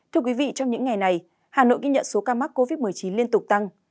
thưa quý vị trong những ngày này hà nội ghi nhận số ca mắc covid một mươi chín liên tục tăng